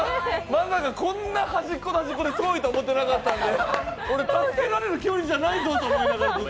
まさかこんな端っこと端っこで遠いと思ってなかったんでこれ助けられる距離じゃないぞと思いながら。